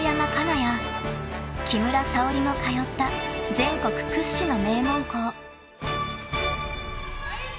［木村沙織も通った全国屈指の名門校］